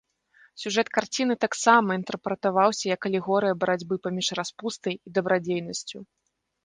Сюжэт карціны таксама інтэрпрэтаваўся, як алегорыя барацьбы паміж распустай і дабрадзейнасцю.